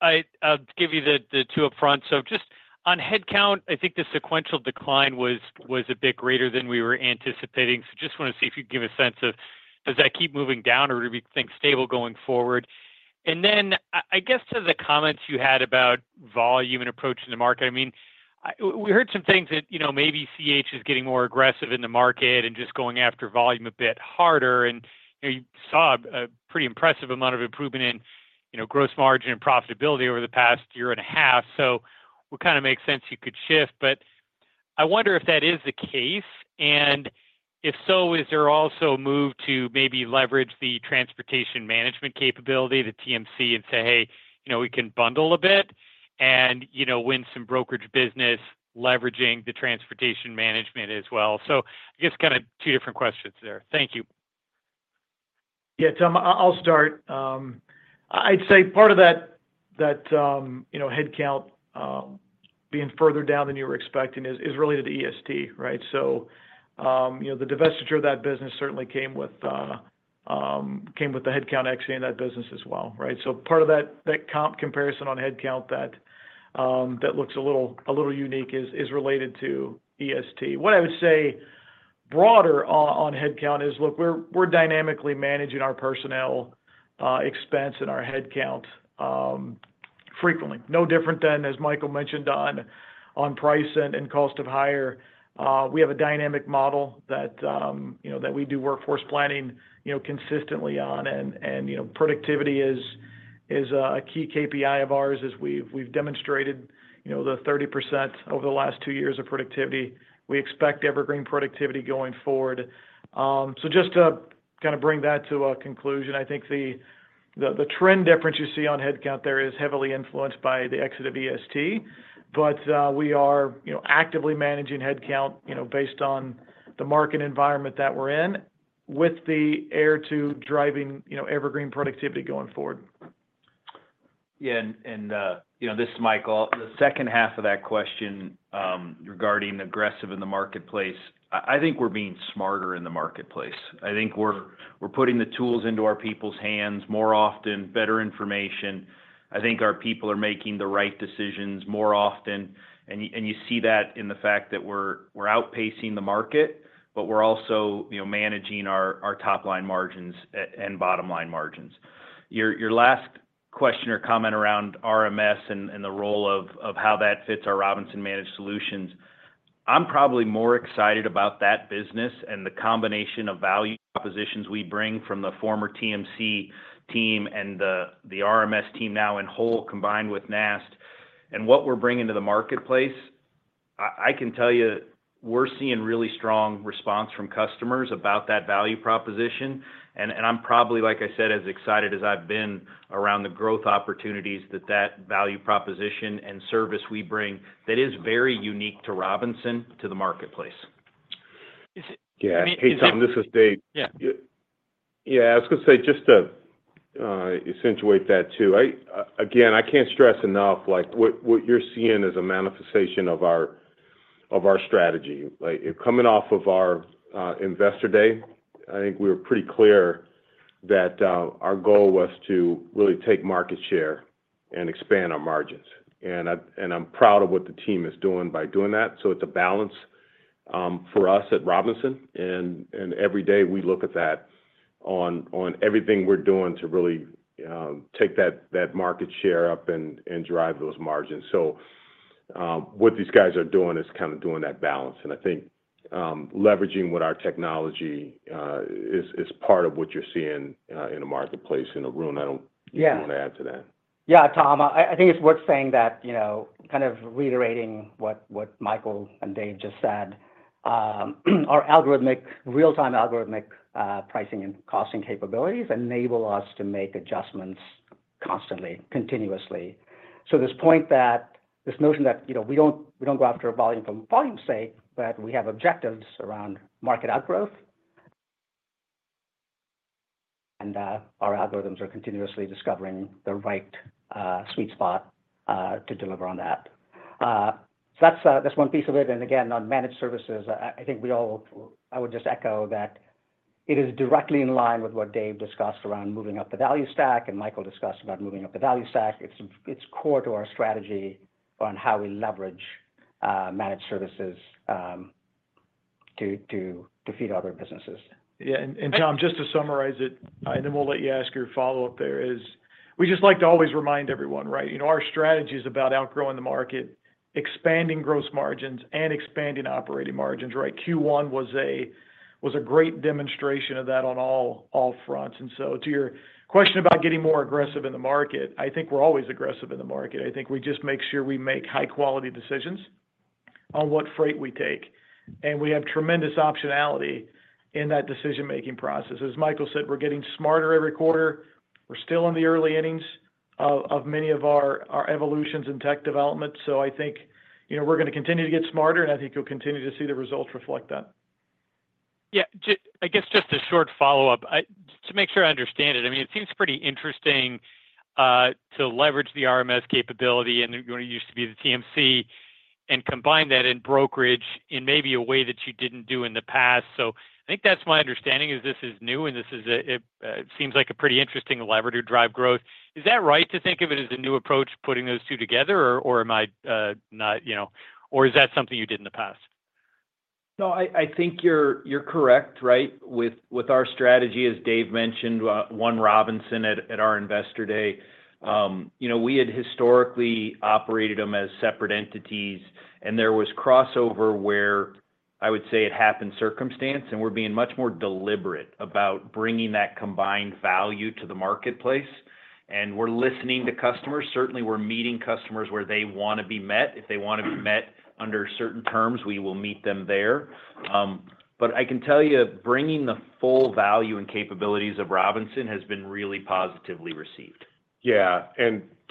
I'll give you the two upfront. Just on headcount, I think the sequential decline was a bit greater than we were anticipating. I just want to see if you can give a sense of does that keep moving down or do we think stable going forward? I guess to the comments you had about volume and approaching the market, I mean, we heard some things that maybe C.H. is getting more aggressive in the market and just going after volume a bit harder. You saw a pretty impressive amount of improvement in gross margin and profitability over the past year and a half. It kind of makes sense you could shift. I wonder if that is the case. If so, is there also a move to maybe leverage the transportation management capability, the TMC, and say, "Hey, we can bundle a bit and win some brokerage business leveraging the transportation management as well?" I guess kind of two different questions there. Thank you. Yeah. I'll start. I'd say part of that headcount being further down than you were expecting is related to EST, right? The divestiture of that business certainly came with the headcount exiting that business as well, right? Part of that comp comparison on headcount that looks a little unique is related to EST. What I would say broader on headcount is, look, we're dynamically managing our personnel expense and our headcount frequently. No different than, as Michael mentioned, on price and cost of hire. We have a dynamic model that we do workforce planning consistently on. Productivity is a key KPI of ours as we've demonstrated the 30% over the last two years of productivity. We expect evergreen productivity going forward. Just to kind of bring that to a conclusion, I think the trend difference you see on headcount there is heavily influenced by the exit of EST. We are actively managing headcount based on the market environment that we're in with the air to driving evergreen productivity going forward. Yeah. This is Michael. The second half of that question regarding aggressive in the marketplace, I think we're being smarter in the marketplace. I think we're putting the tools into our people's hands more often, better information. I think our people are making the right decisions more often. You see that in the fact that we're outpacing the market, but we're also managing our top-line margins and bottom-line margins. Your last question or comment around RMS and the role of how that fits our Robinson Managed Solutions, I'm probably more excited about that business and the combination of value propositions we bring from the former TMC team and the RMS team now in whole combined with NAST. What we're bringing to the marketplace, I can tell you we're seeing really strong response from customers about that value proposition. I'm probably, like I said, as excited as I've been around the growth opportunities that that value proposition and service we bring that is very unique to Robinson to the marketplace. Yeah. Hey, Tom, this is Dave. Yeah. I was going to say just to accentuate that too. Again, I can't stress enough what you're seeing is a manifestation of our strategy. Coming off of our Investor Day, I think we were pretty clear that our goal was to really take market share and expand our margins. I'm proud of what the team is doing by doing that. It is a balance for us at Robinson. Every day we look at that on everything we're doing to really take that market share up and drive those margins. What these guys are doing is kind of doing that balance. I think leveraging what our technology is part of what you're seeing in a marketplace in a room. I don't want to add to that. Yeah. Tom, I think it's worth saying that, kind of reiterating what Michael and Dave just said, our real-time algorithmic pricing and costing capabilities enable us to make adjustments constantly, continuously. This point that this notion that we don't go after volume for volume's sake, but we have objectives around market outgrowth. Our algorithms are continuously discovering the right sweet spot to deliver on that. That's one piece of it. Again, on Managed Services, I think we all, I would just echo that it is directly in line with what Dave discussed around moving up the value stack. Michael discussed about moving up the value stack. It's core to our strategy on how we leverage Managed Services to feed other businesses. Yeah. Tom, just to summarize it, and then we'll let you ask your follow-up there, we just like to always remind everyone, right? Our strategy is about outgrowing the market, expanding gross margins, and expanding operating margins, right? Q1 was a great demonstration of that on all fronts. To your question about getting more aggressive in the market, I think we're always aggressive in the market. I think we just make sure we make high-quality decisions on what freight we take. We have tremendous optionality in that decision-making process. As Michael said, we're getting smarter every quarter. We're still in the early innings of many of our evolutions and tech developments. I think we're going to continue to get smarter, and I think you'll continue to see the results reflect that. Yeah. I guess just a short follow-up to make sure I understand it. I mean, it seems pretty interesting to leverage the RMS capability and what used to be the TMC and combine that in brokerage in maybe a way that you didn't do in the past. I think that's my understanding is this is new and this seems like a pretty interesting lever to drive growth. Is that right to think of it as a new approach, putting those two together, or am I not? Or is that something you did in the past? No. I think you're correct, right? With our strategy, as Dave mentioned, One Robinson at our Investor Day, we had historically operated them as separate entities, and there was crossover where I would say it happened circumstance, and we're being much more deliberate about bringing that combined value to the marketplace. We're listening to customers. Certainly, we're meeting customers where they want to be met. If they want to be met under certain terms, we will meet them there. I can tell you bringing the full value and capabilities of Robinson has been really positively received. Yeah.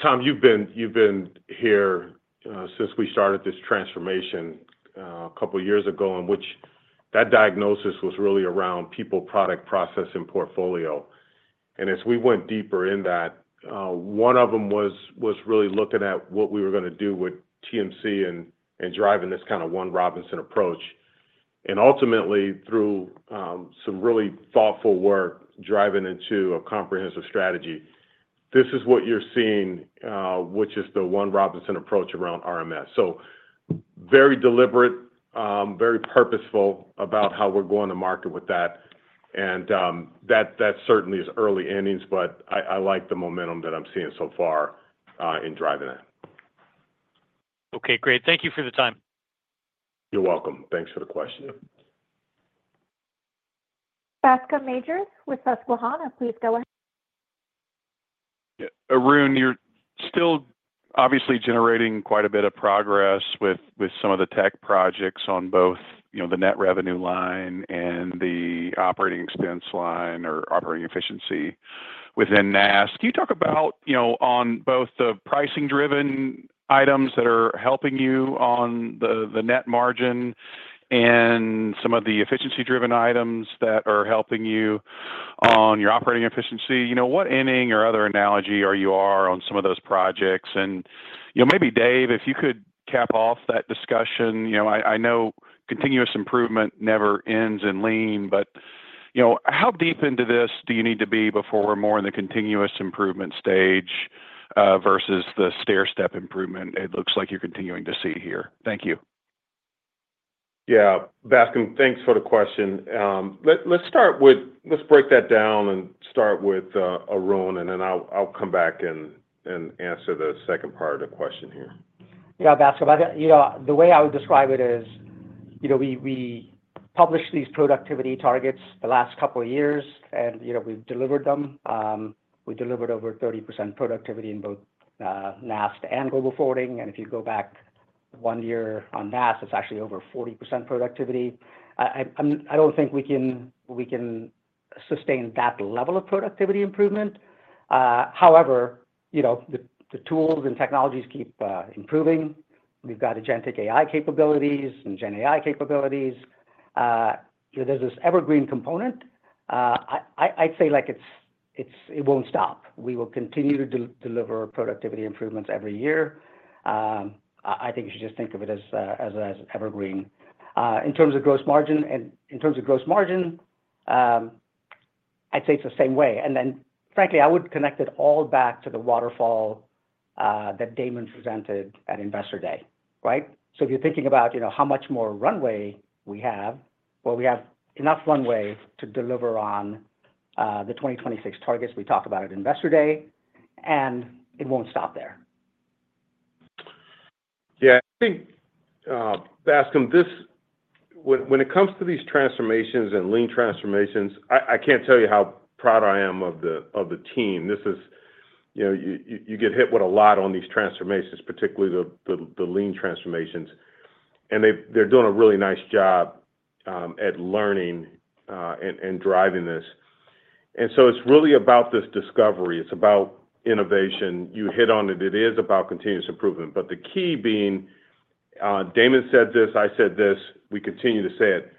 Tom, you've been here since we started this transformation a couple of years ago, in which that diagnosis was really around people, product, process, and portfolio. As we went deeper in that, one of them was really looking at what we were going to do with TMC and driving this kind of One Robinson approach. Ultimately, through some really thoughtful work, driving into a comprehensive strategy, this is what you're seeing, which is the One Robinson approach around RMS. Very deliberate, very purposeful about how we're going to market with that. That certainly is early innings, but I like the momentum that I'm seeing so far in driving it. Okay. Great. Thank you for the time. You're welcome. Thanks for the question. Bascome Majors with Susquehanna. Please go ahead. Arun, you're still obviously generating quite a bit of progress with some of the tech projects on both the net revenue line and the operating expense line or operating efficiency within NAST. Can you talk about on both the pricing-driven items that are helping you on the net margin and some of the efficiency-driven items that are helping you on your operating efficiency? What inning or other analogy are you on some of those projects? Maybe, Dave, if you could cap off that discussion. I know continuous improvement never ends in lean, but how deep into this do you need to be before we're more in the continuous improvement stage versus the stairstep improvement it looks like you're continuing to see here? Thank you. Yeah. Bascome, thanks for the question. Let's start with let's break that down and start with Arun, and then I'll come back and answer the second part of the question here. Yeah. Bascome, the way I would describe it is we published these productivity targets the last couple of years, and we've delivered them. We delivered over 30% productivity in both NAST and Global Forwarding. If you go back one year on NAST, it's actually over 40% productivity. I don't think we can sustain that level of productivity improvement. However, the tools and technologies keep improving. We've got agentic AI capabilities and GenAI capabilities. There's this evergreen component. I'd say it won't stop. We will continue to deliver productivity improvements every year. I think you should just think of it as evergreen. In terms of gross margin, in terms of gross margin, I'd say it's the same way. Frankly, I would connect it all back to the waterfall that Damon presented at investor day, right? If you're thinking about how much more runway we have, we have enough runway to deliver on the 2026 targets we talked about at Investor Day, and it won't stop there. Yeah. I think, Bascome, when it comes to these transformations and lean transformations, I can't tell you how proud I am of the team. You get hit with a lot on these transformations, particularly the lean transformations. They're doing a really nice job at learning and driving this. It is really about this discovery. It is about innovation. You hit on it. It is about continuous improvement. The key being Damon said this, I said this, we continue to say it.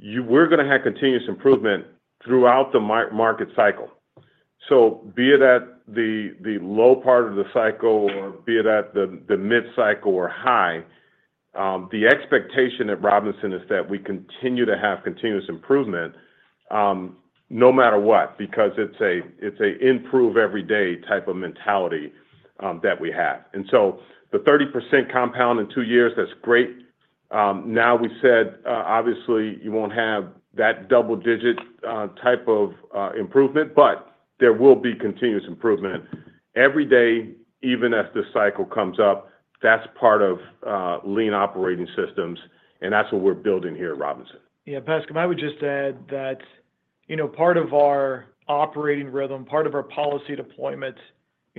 We are going to have continuous improvement throughout the market cycle. Be it at the low part of the cycle or be it at the mid-cycle or high, the expectation at Robinson is that we continue to have continuous improvement no matter what because it is an improve every day type of mentality that we have. The 30% compound in two years, that is great. Now we said, obviously, you won't have that double-digit type of improvement, but there will be continuous improvement every day, even as the cycle comes up. That's part of Lean operating systems, and that's what we're building here at Robinson. Yeah. Bascome, I would just add that part of our operating rhythm, part of our policy deployment,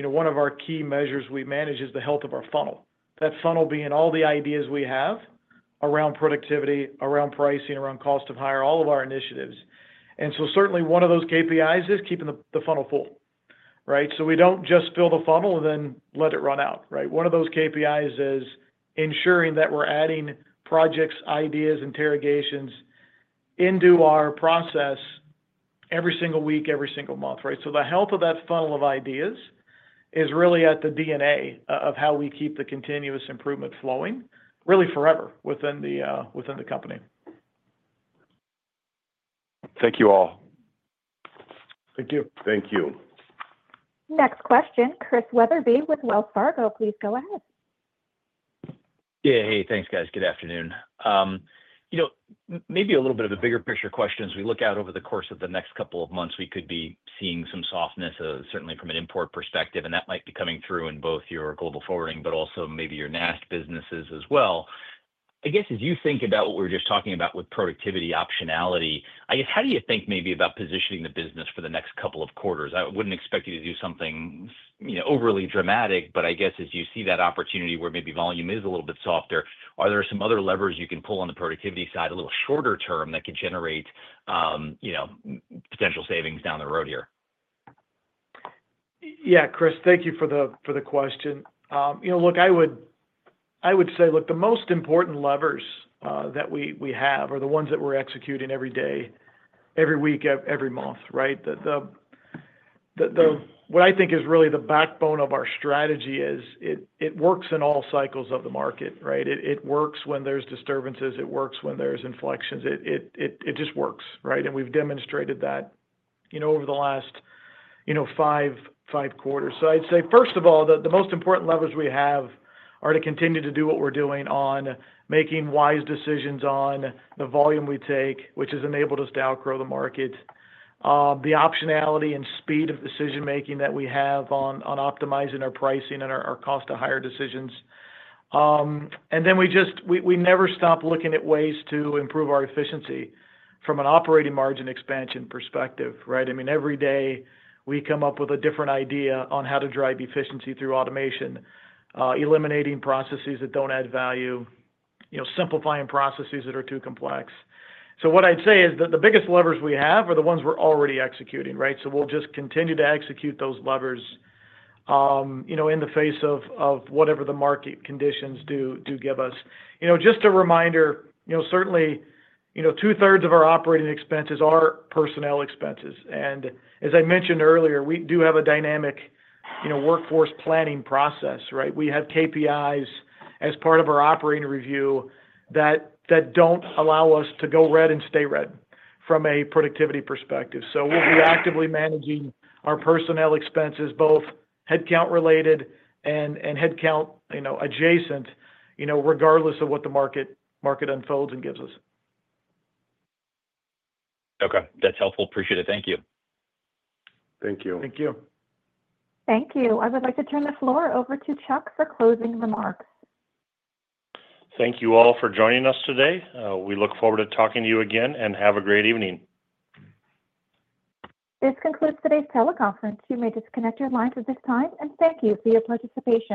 one of our key measures we manage is the health of our funnel. That funnel being all the ideas we have around productivity, around pricing, around cost of hire, all of our initiatives. Certainly, one of those KPIs is keeping the funnel full, right? We do not just fill the funnel and then let it run out, right? One of those KPIs is ensuring that we are adding projects, ideas, interrogations into our process every single week, every single month, right? The health of that funnel of ideas is really at the DNA of how we keep the continuous improvement flowing really forever within the company. Thank you all. Thank you. Thank you. Next question, Chris Wetherbee with Wells Fargo. Please go ahead. Yeah. Hey, thanks, guys. Good afternoon. Maybe a little bit of a bigger picture question as we look out over the course of the next couple of months, we could be seeing some softness, certainly from an import perspective, and that might be coming through in both your Global Forwarding, but also maybe your NAST businesses as well. I guess as you think about what we were just talking about with productivity optionality, I guess how do you think maybe about positioning the business for the next couple of quarters? I wouldn't expect you to do something overly dramatic, but I guess as you see that opportunity where maybe volume is a little bit softer, are there some other levers you can pull on the productivity side a little shorter term that could generate potential savings down the road here? Yeah. Chris, thank you for the question. Look, I would say, look, the most important levers that we have are the ones that we're executing every day, every week, every month, right? What I think is really the backbone of our strategy is it works in all cycles of the market, right? It works when there's disturbances. It works when there's inflections. It just works, right? We have demonstrated that over the last five quarters. I'd say, first of all, the most important levers we have are to continue to do what we're doing on making wise decisions on the volume we take, which has enabled us to outgrow the market, the optionality and speed of decision-making that we have on optimizing our pricing and our cost-to-hire decisions. We never stop looking at ways to improve our efficiency from an operating margin expansion perspective, right? I mean, every day we come up with a different idea on how to drive efficiency through automation, eliminating processes that do not add value, simplifying processes that are too complex. What I would say is that the biggest levers we have are the ones we are already executing, right? We will just continue to execute those levers in the face of whatever the market conditions do give us. Just a reminder, certainly two-thirds of our operating expenses are personnel expenses. As I mentioned earlier, we do have a dynamic workforce planning process, right? We have KPIs as part of our operating review that do not allow us to go red and stay red from a productivity perspective. We will be actively managing our personnel expenses, both headcount-related and headcount-adjacent, regardless of what the market unfolds and gives us. Okay. That's helpful. Appreciate it. Thank you. Thank you. Thank you. Thank you. I would like to turn the floor over to Chuck for closing remarks. Thank you all for joining us today. We look forward to talking to you again and have a great evening. This concludes today's teleconference. You may disconnect your lines at this time. Thank you for your participation.